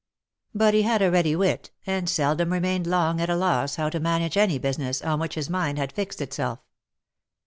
But he had a ready wit, and seldom remained long at a loss how to manage any business on which his mind had fixed itself.